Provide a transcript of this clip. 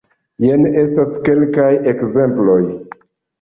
Jen estas kelkaj ekzemploj.